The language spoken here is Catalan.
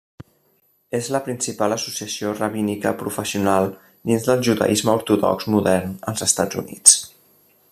És la principal associació rabínica professional dins del judaisme ortodox modern als Estats Units.